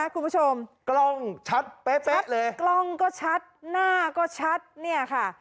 คุณผู้ชมกล้องชัดเป๊ะเลยกล้องก็ชัดหน้าก็ชัดเนี่ยค่ะ